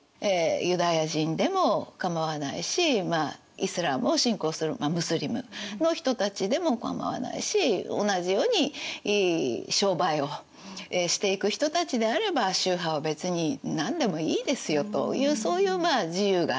イスラームを信仰するムスリムの人たちでもかまわないし同じように商売をしていく人たちであれば宗派は別に何でもいいですよというそういう自由があった。